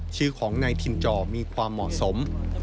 ชื่อของนายถิ่นจอมีความเหมาะสม